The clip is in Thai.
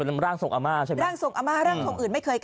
โอ้ยโอ้ยโอ้ยโอ้ยโอ้ย